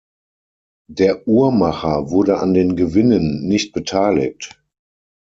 Der Uhrmacher wurde an den Gewinnen nicht beteiligt.